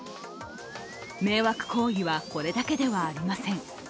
迷惑行為はこれだけではありません。